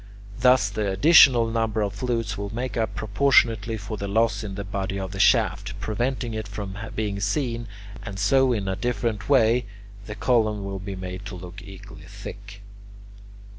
Thus the additional number of flutes will make up proportionately for the loss in the body of the shaft, preventing it from being seen, and so in a different way the columns will be made to look equally thick.